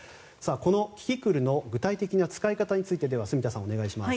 このキキクルの、具体的な使い方について住田さん、お願いします。